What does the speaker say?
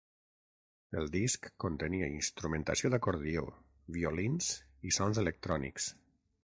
El disc contenia instrumentació d'acordió, violins i sons electrònics.